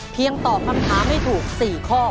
เพียงตอบคำถามไม่ถูก๔ข้อ